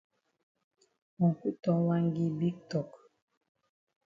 Uncle Tom wan gi big tok.